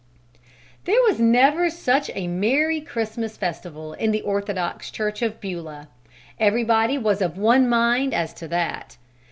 There was never such a merry Christmas festival in the Orthodox church of Beulah; everybody was of one mind as to that.